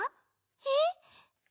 えっ？